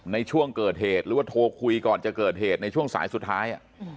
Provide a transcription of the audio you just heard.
ในช่วงเกิดเหตุหรือว่าโทรคุยก่อนจะเกิดเหตุในช่วงสายสุดท้าย